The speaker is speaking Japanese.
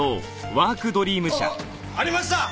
ありました！